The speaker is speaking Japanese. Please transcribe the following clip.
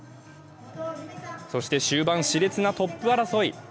終盤、しれつなトップ争い。